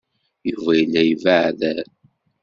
Yuba yella yebbeɛder.